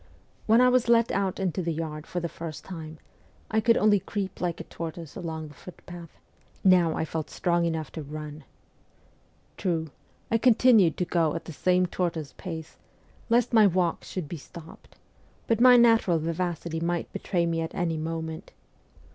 When I was let out into the yard for the first time, I could only creep like a tortoise along the footpath ; now I felt strong enough to run. True, I continued to go at the same tortoise pace, lest my walks should be stopped ; but my natural vivacity might betray me at any mo ment.